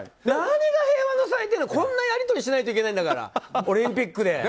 何が平和の祭典だとこんなやり取りしないといけないんだからオリンピックで。